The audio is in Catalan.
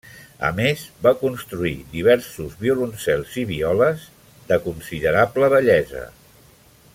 A més va construir diversos violoncels i violes de considerable bellesa.